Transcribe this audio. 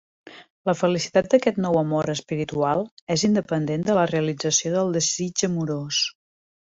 La felicitat d’aquest nou amor espiritual és independent de la realització del desig amorós.